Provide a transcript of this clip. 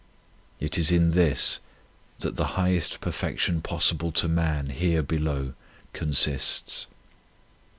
It is in this that the highest perfection possible to man here below consists.